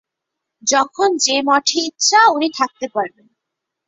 যখন যে মঠে ইচ্ছা উনি থাকতে পারবেন।